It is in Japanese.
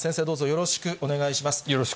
よろしくお願いします。